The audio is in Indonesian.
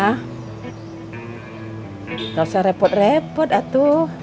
tidak usah repot repot atuh